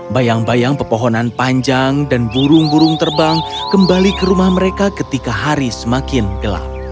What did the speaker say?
bayang bayang pepohonan panjang dan burung burung terbang kembali ke rumah mereka ketika hari semakin gelap